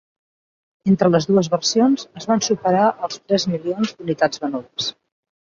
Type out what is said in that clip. Entre les dues versions es van superar els tres milions d'unitats venudes.